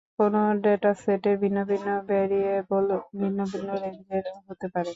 কোন ডেটাসেটের ভিন্ন ভিন্ন ভ্যারিয়েবল ভিন্ন ভিন্ন রেঞ্জের হতে পারে।